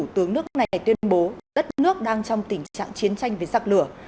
tướng nước này tuyên bố đất nước đang trong tình trạng chiến tranh với giặc lửa